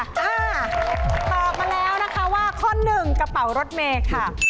อ่าตอบมาแล้วนะคะว่าข้อหนึ่งกระเป๋ารถเมย์ค่ะ